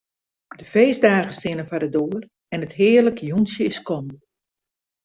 De feestdagen steane foar de doar en it hearlik jûntsje is kommen.